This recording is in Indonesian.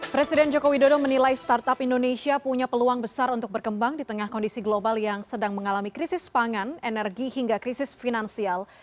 presiden jokowi dodo menilai startup indonesia punya peluang besar untuk berkembang di tengah kondisi global yang sedang mengalami krisis pangan energi hingga krisis finansial